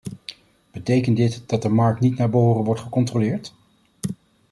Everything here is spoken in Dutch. Betekent dit dat de markt niet naar behoren wordt gecontroleerd?